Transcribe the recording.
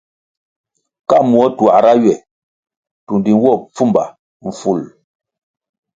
Ka muo tuãhra ywe tundi nwo pfumba mful.